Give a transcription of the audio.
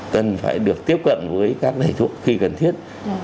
cần phải được tiếp cận với các thầy thuốc khi cần thiết